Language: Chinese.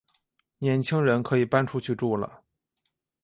年轻人可以搬出去住了